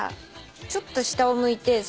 ちょっと下を向いて。